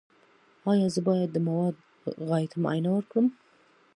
ایا زه باید د مواد غایطه معاینه وکړم؟